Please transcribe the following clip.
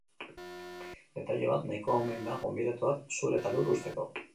Detaile bat nahikoa omen da gonbidatuak zur eta lur uzteko.